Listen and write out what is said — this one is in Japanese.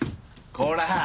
こら！